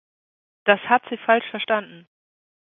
Das hat Sie falsch verstanden.